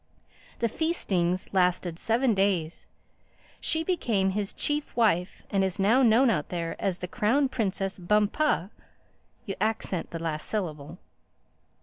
The feastings lasted seven days. She became his chief wife and is now known out there as the Crown Princess Bum_pah_—you accent the last syllable."